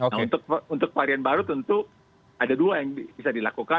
nah untuk varian baru tentu ada dua yang bisa dilakukan